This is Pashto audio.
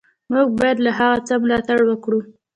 موږ باید له هغه څه ملاتړ وکړو.